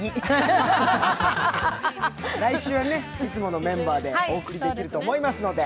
来週はいつものメンバーでお送りできると思いますので、